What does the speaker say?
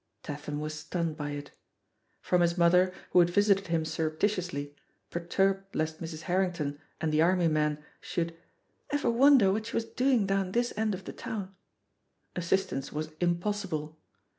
Tatham was stunned by it. From his mother, :who had visited him siu reptitiously, perturbed lest Mrs. Harrington and the army man should ever wonder what she was doing down this end of the town," assistance was impossible.